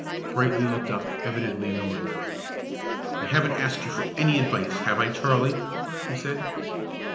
Brightly looked up, evidently annoyed. "I haven't asked you for any advice, have I, Charley?" he said.